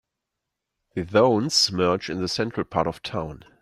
The zones merge in the central part of town.